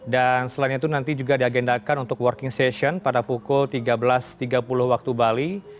selain itu nanti juga diagendakan untuk working session pada pukul tiga belas tiga puluh waktu bali